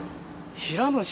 ヒラムシ。